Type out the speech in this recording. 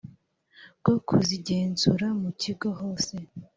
bwo kuzigenzura mu kigo hose